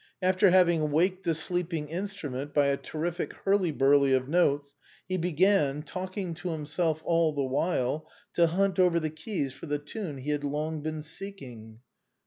After having waked the sleeping instrument by a terrific hurly burly of notes, he began, talking to himself all the while, to hunt over the keys for the tune he had long been seeking.